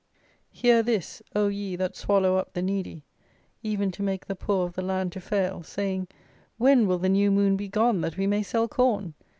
"Hear this, O ye that swallow up the needy, even to make the poor of the land to fail: saying, When will the new moon be gone that we may sell corn?